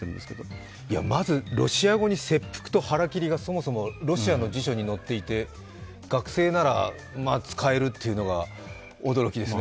まず、切腹と腹切りが、そもそもロシアの辞書に載っていて学生なら使えるというのが驚きですね。